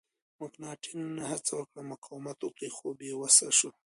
مکناتن هڅه وکړه مقاومت وکړي خو بې وسه شو.